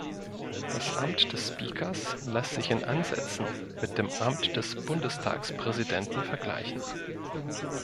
Das Amt des Speakers lässt sich in Ansätzen mit dem Amt des Bundestagspräsidenten vergleichen.